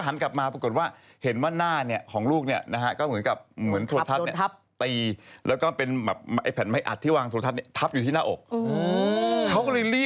หันกลับมาปรากฏเห็นว่าหน้าของลูกเหมือนโทรศัพท์เนี่ย